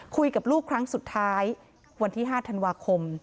คุยกับลูกครั้งสุดท้ายวันที่๕ธันวาคม